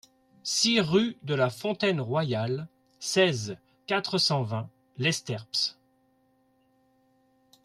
six rue de la Fontaine Royal, seize, quatre cent vingt, Lesterps